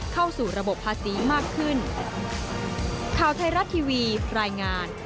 เข้าสู่ระบบภาษีมากขึ้น